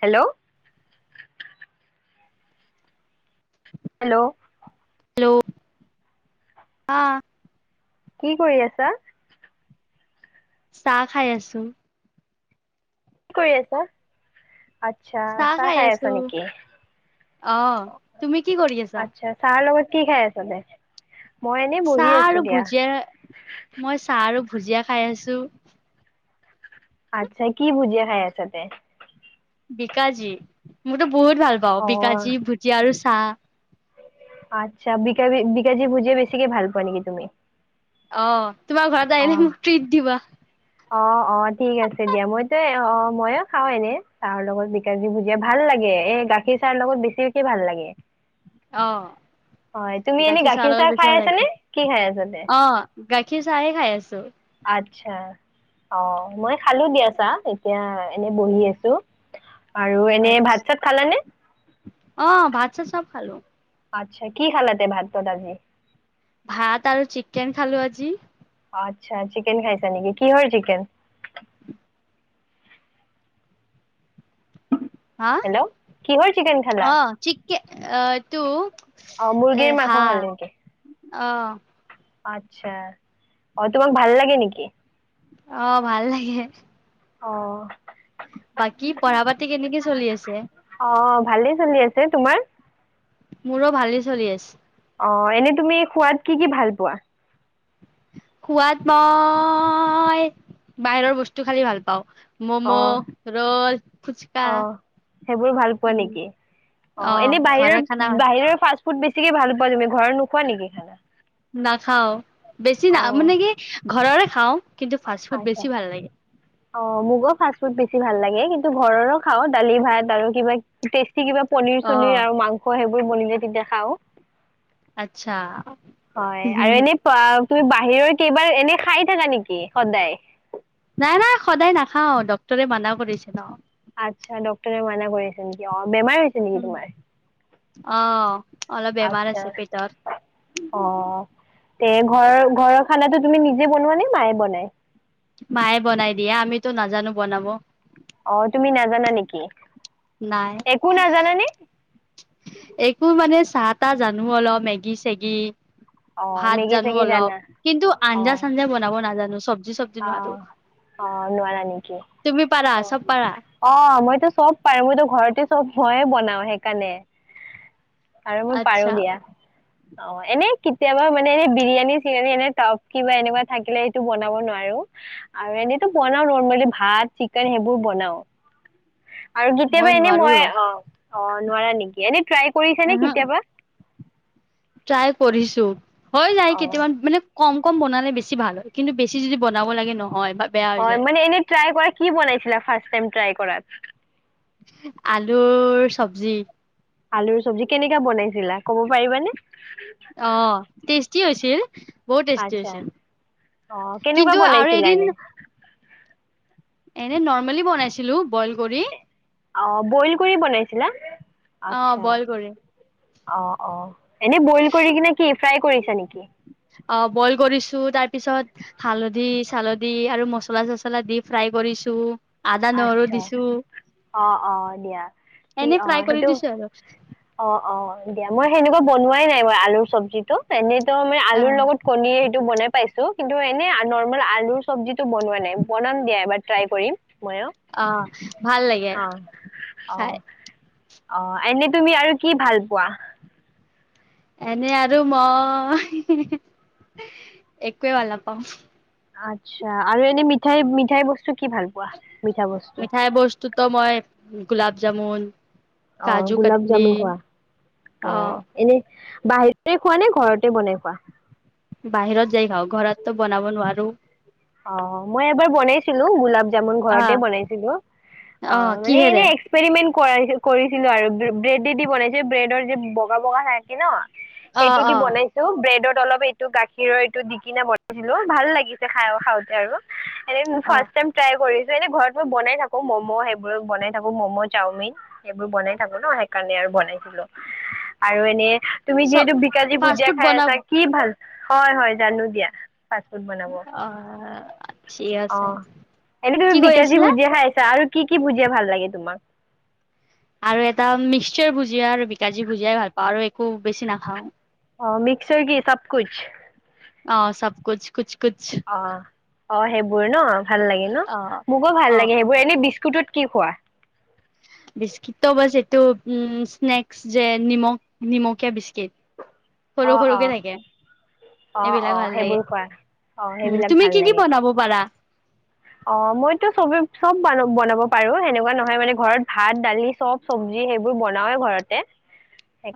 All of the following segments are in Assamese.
হেল্ল' হেল্ল' হেল্ল' অহ কি কৰি আছা চাহ খাই আছো কি কৰি আছা আচ্ছা চাহ খাই আছা নিকি অহ, তুমি কি কৰি আছা? আচ্ছা চাহ লগত কি খাই আছ দে চাহ আৰু ভুজিয়াৰ মই চাহ আৰু ভুজিয়া খাই আছো দু আচ্ছা কি ভুজিয়া খাই আছাতে বিকাজী মোৰতো বহুত ভাল পাওঁ অ বিকাজী ভুজিয়া আৰু চ্ চাহ আচ্ছা বিকাজি বিকাজি ভুজিয়া বেছিকে ভাল পুৱা নিকি তুমি অ তোমাৰ ঘৰত অ। আহিলে মোক ট্ৰিট দিবা অ অ ঠিক আছে দিয়া মইতে অ মই অ খাওঁ এনে চাহৰ লগত বিকাজী ভুজিয়া ভাল লাগে এ গাখীৰ চাহৰ লগত বেছিকে ভাল লাগে অহ, হয় তুমি এনেই চাহৰ গাখীৰ লগত চাহ বেছি খাই ভাল আছা লাগে। নে কি খাই আছা দে অহ, গাখীৰ চাহে খাই আছো আচ্ছা অ মই খালো দিয়া চাহ এতিয়া এনে বহি আছো আৰু এনে ভাত চাত খালানে অহ, ভাত চাত চব খালো আচ্ছা কি খালা তে ভাতত আজি ভাত আৰু চিকেন খালো আজি আচ্ছা চিকেন খাইছা নিকি কিহৰ চিকেন হা হেল্ল' কিহৰ চিকেন খালা অ চিককে অহ এতো অ মুৰ্গীৰ মাংস হা খালে নেকি অহ আচ্ছা অ তোমাক ভাল লাগে নিকি অহ ভাল লাগে অ বাকী পঢ়া পাতি কেনেকে চলি আছে অ ভালেই চলি আছে তোমাৰ মোৰৌ ভালেই চলি আছে অ এনে তুমি খোৱাত কি কি ভাল পোৱা সোৱাদ মই বাহিৰৰ বস্তু খালি ভাল পাওঁ অ ম'ম', ৰ'ল, ফুচকা অ সেইবোৰ ভাল পোৱা নিকি অ অ' এনে ঘৰৰ বাহিৰৰ খানা বাহিৰৰ ফাষ্ট ফুড বেছি চিকে ভাল পোৱা তুমি ঘৰত নোখোৱা নিকি খানা নাখাওঁ বেছি না মানে কি? ঘৰৰে খাওঁ। কিন্তু ফাষ্ট ফুড আছা বেছি ভাল লাগে। অ মুকো ফাচ ফুড। ভাল লাগে কিন্তু ঘৰৰো খাওঁ দালি ভাত আৰু কিবা- কিবা পনিৰ চনিৰ অ' আৰু মাংস সেইবোৰ- বনিলে তেতিয়া খাওঁ। আচ্ছা হয় আৰু এনেই পৰা। তুমি বাহিৰৰ কেইবাৰ এনে খাই থাকা নেকি সদায়। নাই নাই সদায় নাখাওঁ ডক্তৰে মানা কৰিছে ন আচ্ছা ডক্টৰে মানা কৰিছে নি কি? বেমাৰ হৈছে নেকি উম। তোমাৰ অ' অলপ বেমাৰ আচা আছে পেটৰ। অ তে ঘ ঘ- খানাটো তুমি নিজে বনোৱা নে মায়ে বনায়? মায়ে বনাই দিয়ে আমিতো নাজানো বনাব। অ তুমি নাজানা নেকি? নাই একো নাজানানে একো মানে - চাহ তাহ জানোঁ অলপ মেগী চেগী। অ ভাত মেগী জানোঁ চেগি অলপ জানা কিন্তু অ আঞ্জা চানঞ্জা বনাব নাজানোঁ চবজি চবজি - অ অ নোৱাৰা নেকি তুমি পাৰা অ চব পাৰা অ মইতো চব পাৰু। মইতো ঘৰতে চব ময়ে বনাও সেইকাৰণে। আৰু মই পাৰোঁ আচ্ছা দিয়া। অ এনে কেতিয়াবা মানে এনে বিৰিয়ানী চিৰিয়ানি এনে টপ কিবা এনেকুৱা থাকিলে সেইটো বনাব নোৱাৰে। আৰু এনেতো বনাও নৰ্মেলি ভাত চিকেন সেইবোৰ বনাও। আৰু কেতিয়াবা এনে নোৱাৰো মই ৰ অ অ নোৱাৰা নেকি? এনেট্ৰাই কৰিছে নে আহা কেতিয়া। ট্ৰাই কৰিছোঁ। হৈ অ যায় কেইটামান মানে। কম কম বনালে বেছি ভাল হয় কিন্তু বেছি যদি বনাব লাগে ন হয় মানে এনেই টাৰাই কৰা কি বনাইছিলা ফাৰচ চাইড টাৰাই। পৰা আলুৰ চব্জি। আলুৰ চব্জি কেনেকা বনাই? দিলা ক'ব পাৰিবানে। অ [unintelligible] বহুত টেষ্টি আচ্ছা আছিল অ কেনেকুৱা কিন্তু আৰু বনাইছিলা এদিন। এনে এনে নৰ্মেলি বনাইছিলোঁ বইল কৰি। অ বইল কৰি বনাইছিলা। অ আছা বইল কৰি অ অ এনে বইল কৰি কিনে কি? ফ্ৰাই কৰিছে নেকি? অঁ, বইল কৰিছো তাৰ পিছত হালধি চালধি আৰু মছলা চচলা দি ফ্ৰাই কৰিছো আদা নহৰু আচ্ছা দিছো অ', অ', দিয়া এনে ফ্ৰাই কৰি দিছো আৰু। অঁ অঁ দিয়া মই সেনেকুৱা বন। নোৱাই নাই মই আলুৰ চব্জিতটো এনে। ই অ আলুৰ লগত কণীয়ে সেইটো বনাই। খাইছোঁ কিন্তু এনে নৰ্ম আলুৰ চবজিতটো বনোৱা নাই বনাম দিয়া এবাৰ ট্ৰায় কৰিম। ময়ো। অঁ ভাল লাগে খাই। অঁ। তুমি আৰু কি ভাল পোৱা। এনে আৰু মই একোৱে ভাল নাপাওঁ। আচ্ছা আৰু এনে মিঠাই মিঠাই বস্তু। কি ভাল পোৱা? মিঠা বস্তু মিঠাই বস্তুতো মই গোলাপ। জামুন। অ কাজু গোলাপ কাটলি জামুন খোৱা অ এনে বাহিৰে খোৱা নে? ঘৰতে বনাই খোৱা। বাহিৰত যাই খাওঁ ঘৰততো বনাব নোৱাৰো। অঁ মই এবাৰ বনাইছিলোঁ ঘৰতে আহ বনাইছিলোঁ আ অ মানে কিহেৰে এক্সপেৰিমেণ্ট। কৰাই কৰিছিলো আৰু ব্ৰেডে দি বনাইচো ব্ৰেডৰ যে বগা বগা থাকে ন। অ সেইটো দি অ বনাইছো ব্ৰেডৰ। অলপ এইটো গাখীৰৰ এইটো দি কিনা বনাই বনাইছিলো ভাল লাগিছে খাইক। খাওঁতে আৰু। এ অ ফাৰ্ষটাইম ট্ৰায় কৰিছো এনে ঘৰত মই বনাই থাকো ম'ম' সেইবোৰ বনাই থাকো ম'ম' চাওমিন সেইবোৰ বনাই থাকো ন সেইকাৰণে আৰু বনাইছিলো আৰু এনে। তুমি চব যিহেতু বিকাজী ফাষ্ট ভুজিয়া ফুড খাই বনাব আছা কি ভাল। হয় হয় জানো দিয়া। ফাষ্ট ফুড বনাব। অ ঠিক অ আছে এনে তমি কি কৈ বিকাাজী আছিলা ভুজিয় খাই আছা আৰু। কি কি বুজে ভাল লাগে তোমাক। আৰু এটা মিক্সাৰ ভুজিয়া আৰু বিকাাজী ভুজিয়াই ভাল পাওঁ আৰু একো বেছি নাখাও। অ মিক্সৰ কি চব কছ। অ চব কুছ কুছ। অঁ। অঁ, সেইবোৰ ন। ভাল লাগে ন অ মোকো অ ভাল লাগে সেইবোৰ এনেই বিস্কুতত। কি খোৱা। বিস্কিট বা যিটো উ স্নেক্ যে নিমখ নিমকীয়া বিস্কিট। সৰু অ অ সৰুকে থাকে অ অ এইবিলাক ভাল লাগে সেইবোৰ কৰাোৱা অ উম সেইবিলাক তুমি ভাল কি কি লাগে বনাব পাৰা অ মইতো চব। চব ব বনাব পাৰো সেনেকুৱা নহয় মানে ঘৰত ভাত দালি চব চব্জি সেইবোৰ বনাওেই ঘৰতে।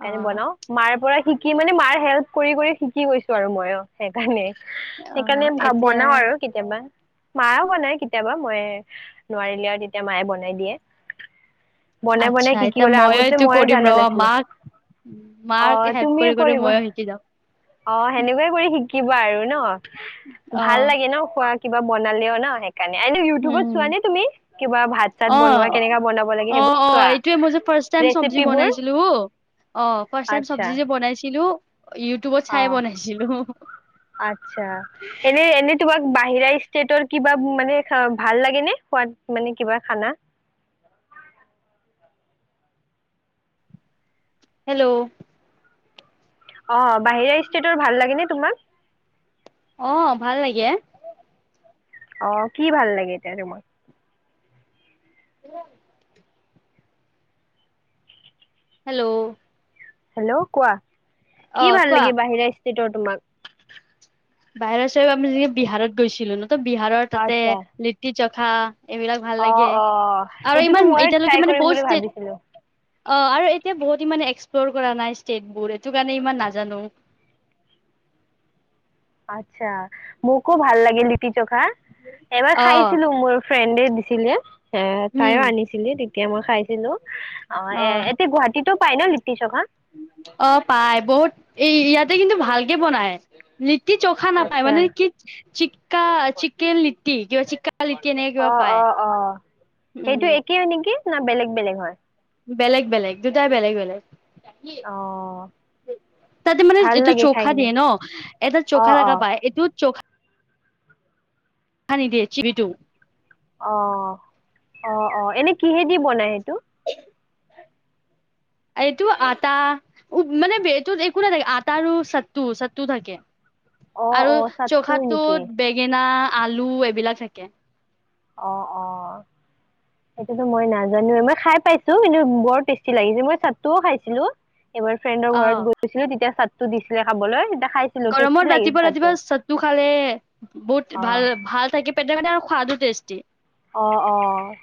অ বনাও মাৰ পৰা। কি মানে মাৰ হেল্প কৰি কৰি শিকি গৈছো আৰু মই অ সেইকাৰণে। অ সেইকাৰণে ভ এতিয়া বনাও আৰু কেতিয়াবা। মায়ও বনায় কেতিয়াবা মই নোৱাৰিলো আৰু তেতিয়া মায়ে বনাই দিয়ে। বনাই বনাই আচ্ছা শিকি এতিয়া গলে আগতে মইতো মইয়ে কৰিম জানা ৰবা নাছিলো মাক মাক। অ কৰি কৰি সেনেকুৱা ময়ো শিকি যাম শিকিবা। আৰু ন। ভাল অ লাগে ন খুৱাত। কিবা বনালে অ ন। ইউটিউবত উম চোৱা নে তুমি কিবা ভাত চাত অ বনোৱা কেনে বনাব লাগে অ সেইবোৰ অ চোৱা এইটোয়ে মই যে ফাৰ্ষ্ট টাইম চব্জি ৰেচিপ বনাইছিলো আছা। কিলো। অ আচ্ছা এনেই এনেই তোমাৰ। বাহিৰা ষ্টেটৰ কিবা মানে ভাল লাগে নে খোৱাদ মানে কিবা খানা। হেল্ল'। অ বাহিৰা ষ্টেটৰ ভাল লাগেনে তোমাক। অহ ভাল লাগে। অ কি ভাল লাগে এতিয়া তোমাক। অহ। [unintelligible] হেল্ল'। হেল্ল' কোৱা। অ কি ভাল কোৱা লাগে বাহিৰা। তিটো তোমাক বাহিৰৰা চ আমি যেক বিহাৰত গৈছিলো ন। বিহাৰৰ তাতে আচ্ছা নীতি চক্ৰ। হা। অ অ সেইটোতো ময়ো এতিয়ালৈকে ট্ৰাই মানে কৰিম বহুত বুলি ষ্টেট ভাবিছিলো। অ আৰু এতিয়া বহুত ইমান এক্সপ্ল'ৰ কৰা নাই ষ্টেটবোৰ এইটো কাৰণে ইমান নাজানো। আচ্ছা মোকো ভাল লাগিল। জকা এবাৰ অ খাইছিলো মোৰ। ফ্ৰেণ্ডে দিছিলে। এ উম তাইও আনিছিলি তেতিয়া মই খাইছিলো অ এ অ এতিয়া গুৱাহাটীতো। ফাইল লিপিছা। অ পাই বহুত এই ইয়াতে কিন্তু ভালকে বনাই। কি চোখা নাপায় আচ্ছা মানে কি চিক চিকেন লিটি ক চিক অ অ অ, সেইটো উম একেই নেকি? ন বেলেগ বেলেগ হয়। বেলেগ বেলেগ, দুটাই বেলেগ বেলেগ। অ তাতে মানে ভাল এইটো লাগে খাই চখা কিনে দিয়ে ন, এটা অ চখা অ থখা পায় এইটো চখা সানি দিয়ে চি বিটো। অ, অ অ এনে কিহেদি বনাই এ টো? এইটো আটা, উম মানে এইটো একো নাথাকে আটা আৰু চাতু চাতু থাকে। অ আৰু অ চাটটোৰ নেকি চখাটোত বেঙেনা আলু এইবিলাক থাকে। অ অ, এইটো মই নাজানোৱে মই খাই পাইছো কিন্তু বৰ টেষ্টি লাগিছে মই চাতটোও খাইছিলো। এইবাৰ ফ্ৰেণ্ডৰ অ ঘৰত গৈছিলো তেতিয়া চা টো দিছিলে খাবলৈ খাইছিলো গৰমত টেষ্টি লাগিছে ৰাতিপুৱা ৰাতিপুৱা চাটটো চাতটো খালে বহুত অ ভাল ভাল থাকে পেটে মানে আৰু সোৱাদো টেষ্ট টি। অ অ,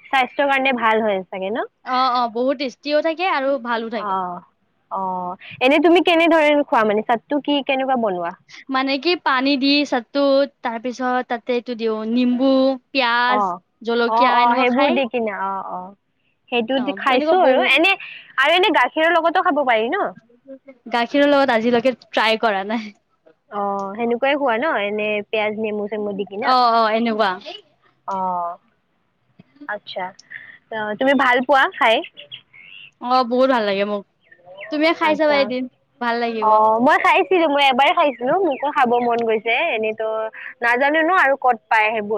স্বাস্থ্যৰ কাৰণে ভাল হয় চাগে ন, অ অ বহুত টেষ্টিও থাকে আৰু ভালো অ থাকে অ এনে তুমি? কেনে ধৰণৰ খোৱা মানে চাতটো কি কেনো মানে কি পানী দি চাতটোত তাৰ পিছত তাতে এইটো দিওঁ নিম্বু অ, পিয়াজ অ জলকীয়া অ এনেকুৱা খাই সেইবোৰ দি কিনে অ অ। অ সেইটোদি খাইছো এনেকুৱা আৰু বহু এনে আৰু এনে গাখীৰৰ লগত গাখীৰৰ লগত আজিলৈকে ট্ৰাই কৰা নাই। অ সেনেকুৱাই খোৱা ন, এনে পিয়াজ, নেমু চেমু দি কি না। অ অ এনেকুৱা অ, আচ্ছা তুমি ভাল পোৱা খাই? অ বহুত ভাল লাগে মোক। তুমি খাই চাবা আচ্ছা এদিন, ভাল লাগিব। ছিলো মই এবাৰ খাইছ মোকো খাব মন গৈছে এনেতো নাজানো ন আৰু ক'ত পায় সেই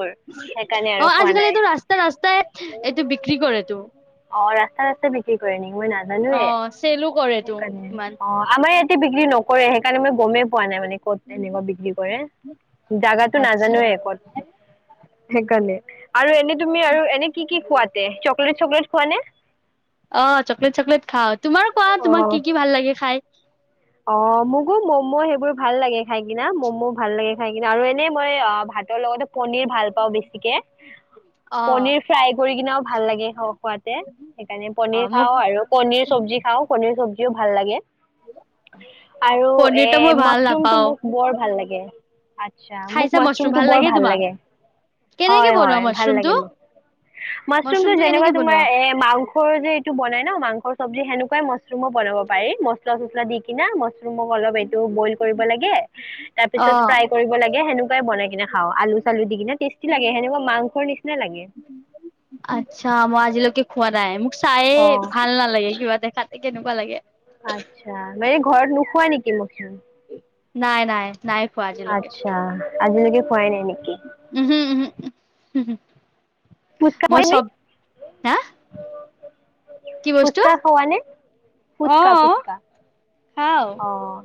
অ আজিকালি এইটো ৰাস্তা ৰাস্তাই এইটো বিক্ৰী কৰেটো। অ ৰাস্তা ৰাস্তা বিক্ৰী কৰে নেকি? মই অ নাজানোৱে চেলো কৰেতো সেইকাৰণে। ইমান অ আমাৰ ই বিক্ৰী ন কৰে সেইকাৰণে মই গমেই পোৱা নাই মানে ক'ত এনেকুৱা বিক্ৰী কৰে। জাগাটো আচ্ছা নাজানোৱে ক'ত। সেইকাৰনে। আৰু এনেই তুমি আৰু এনে কি কি খোৱা তে? চকলেট চকলেট খোৱানে? অ, চকলেট চকলেট খাওঁ। তোমাৰ কোৱা? অ তোমাৰ কি কি ভাল লাগে খাই? অ, মোকো ম'ম' সেইবোৰ ভাল লাগে খাই কিনা। ম'ম' ভাল লাগে খাই কিনা আৰু এনেই মই অ ভাতৰ লগতে পনীৰ ভাল পাওঁ বেছিকে। অ', পনীৰ ফ্ৰাই কৰি কিনাও ভাল লাগে খুৱাতে। সেইকাৰণে পনীৰ অ', মোক খাও আৰু পনীৰ চব্জি খাও, পনীৰ চব্জি। দিও ভাল লাগে। আৰু এ পনিৰটো মই ভাল মছৰুমটো নাপাওঁ, মোৰ বৰ ভাল লাগে। [unintelligible] ইছ ৰাম। মোক খাইছা মাছৰুম মছৰূমটো বৰ ভাল তোমাক? লাগে। কেনেকে হয়, বনোৱা হয়। ভাল মাছৰুমটো? লাগে মোৰ। মছৰূমটো মাছৰুমটো যেনেকুৱা কেনেকে তোমাৰ বনোৱা? এ মাংসৰ যে এইটো বনাই ন, মাংসৰ চবজী সেনেকোৱাই মা ৰুমো বনাব পাৰি মছলা চছলা দি কিনা ম এইটো বইল কৰিব লাগে। তাৰপিছত অ', ফ্ৰাই কৰিব লাগে। সেণেকুৱাই বনাই কিনে খাও। আলু চালো দি কিনে টেষ্টি লাগে। সেনেকুৱা মাংসৰ নিচিনা লাগে। আচ্ছা মই আজিলৈকে খোৱা নাই, মোক চায়ে অ। ভাল নালাগে কিবা দেখাতে কেনেকুৱা লাগে। আত্ছা মানে ঘৰত নোখোৱা নেকি মো [inaudible] নাই, নাই। নাই খোৱা আজিলৈকে। আচ্ছা আজিলৈকে পোৱাই নাই নেকি? হম হ ফুচকা পঢ়মি কি বস্তু? ফুচকা খো নে ফুচকা, অ', ফুচকা। খাওঁ, অহ।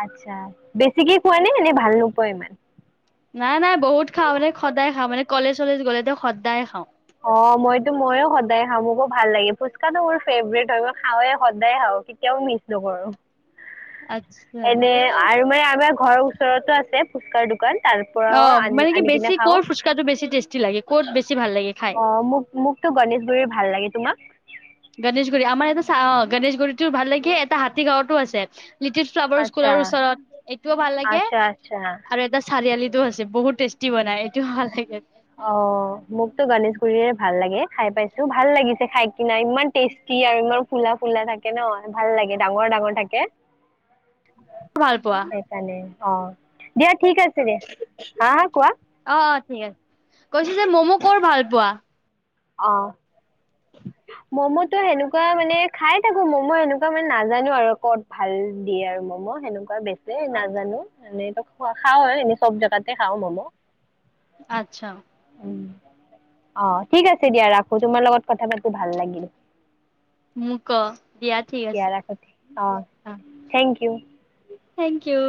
আটছা বেছিকে খোৱা নে? নে ভাল নোপোৱা ইমান? নাই, নাই। বহুত খাওঁ মানে সদায় খাও মান কলেজ চলেজ গ'লে টো সদায়ে খাওঁ। অ মইতো ময়ো সদায় খাওঁ। মোকো ভাল লাগে। ফুচকাতো মোৰ ফেভৰেট হয়। মই খাওঁৱে, সদায় খাওঁ কেতিয়াও মিছ নকৰো। আচ্ছা, এনে আৰু মানে আমাৰ ঘৰৰ ওচৰতো আছে। ফুচকাৰ দো কান তাৰ অ পৰাও আনি মানে কি আনি কিনে বেছি খাও। ক'ৰ ফুচকাটো বেছি টেষ্টি লাগে ক'ত বেছি ভাল লাগে খাই অ মোক মোকতো গণেশগুৰিৰ ভাল লাগে। তোমাক? গণেশগুৰি, আমাৰ এটা চ-অ গণেশগুৰিটো ভাল লাগে এটা হাতীগাঁৱতো আছে। লিটিল ফ্লাৱাৰ আচ্ছা স্কুলৰ ওচৰত। এইটোও ভাল লাগে, আচ্ছা আচ্ছা আৰু এটা চাৰিআলিত। আছে, বহুত টেষ্টি বনায়। এইটোও ভাল লাগে। অ' মোকতো গণেশ ৰে ভাল লাগে, খাই পাইছো। ভাল লাগিছে খাই কিনা ইমান টেষ্টি আৰু ইমান ফুলা-ফুলা থাকে। [unintelligible] ভাল লাগে ডাঙৰ-ডাঙৰ থাকে ভাল পোৱা সেইকাৰণে অ' দিয়া ঠিক আছে দিয়া। হা হা কোৱা। অ অ ঠিক আছে। কৈছো যে মম' ক'ৰ ভাল পোৱা? অ'। [inaudible] মম'তো সেনেকুৱা মানে, খাই থাকো ম'ম' সেনেকুৱা মানে, নাজানো আৰু ক'ত ভাল দিয়ে আৰু ম'ম'! সেনেকুৱা বেছি। দে নাজানো মানে, খাও হয়। এনেই চব জেগাতে খাওঁ মম'। আচ্ছা। উম, অ' ঠিক আছে দিয়া, ৰাখো তোমাৰ লগত কথা পাতি ভাল লাগিল। মোক ক দিয়া ঠিক আছে এতিয়া ৰাখো। অ' থেংক ইউ। Thank U.